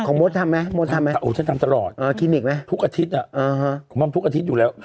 ของโมดทำไหมโมดทำไหมอ๋อคินิกไหมทุกอาทิตย์อ่ะผมทำทุกอาทิตย์อยู่แล้ว